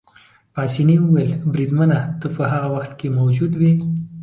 پاسیني وویل: بریدمنه، ته په هغه وخت کې موجود وې؟